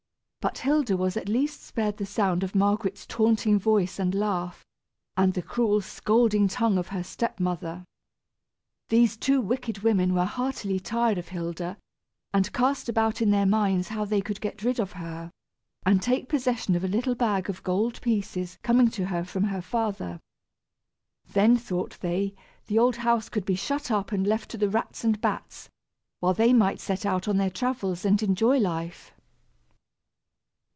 But Hilda was at least spared the sound of Margaret's taunting voice and laugh, and the cruel scolding tongue of her step mother. These two wicked women were heartily tired of Hilda, and cast about in their minds how they could get rid of her, and take possession of a little bag of gold pieces coming to her from her father. Then, thought they, the old house could be shut up and left to the rats and bats, while they might set out on their travels and enjoy life.